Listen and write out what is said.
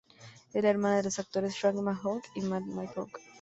Era la hermana de los actores Frank McHugh y Matt McHugh.